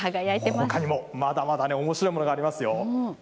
ほかにもまだまだおもしろいものがありますよ。